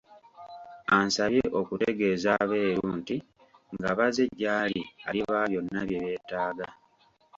Ansabye okutegeeza Abeeru nti nga bazze gy'ali alibawa byonna bye beetaaga.